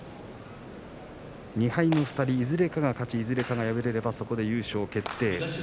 ２敗の２人、いずれかが勝ちいずれかが敗れればそこで優勝決定。